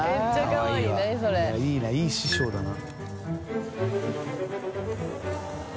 いいないい師匠だな。